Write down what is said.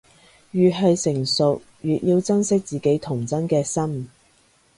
越係成熟，越要珍惜自己童真嘅心